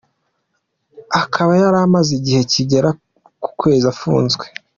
Akaba yari amaze igihe kigera ku kwezi afunzwe.